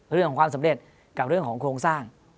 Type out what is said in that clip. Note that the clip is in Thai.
เรื่องของความสำเร็จกับเรื่องของโครงสร้าง